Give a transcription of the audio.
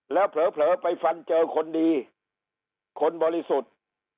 แล้วเผลอไปฟันเจอคนดีคนบริสุทธิ์